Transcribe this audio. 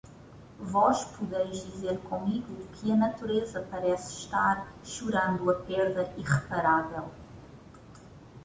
vós podeis dizer comigo que a natureza parece estar chorando a perda irreparável